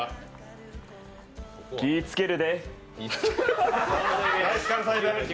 気ぃつけるです。